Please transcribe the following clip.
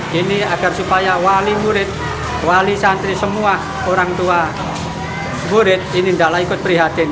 gini agar supaya wali murid wali santri semua orang tua murid ini tidaklah ikut prihatin